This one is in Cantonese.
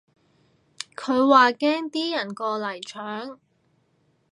佢話驚啲人過嚟搶